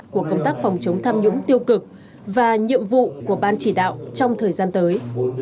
của công tác phòng chống tham nhũng tiêu cực và nhiệm vụ của ban chỉ đạo trong thời gian tới